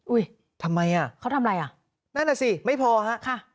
ทำไมอ่ะเขาทำอะไรอ่ะนั่นน่ะสิไม่พอฮะค่ะ